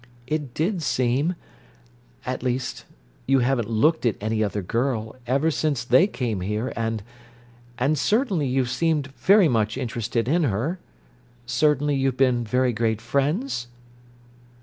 "It did seem—At least, you haven't looked at any other girl, ever since they came here and—and certainly you've seemed very much interested in her. Certainly you've been very great friends?"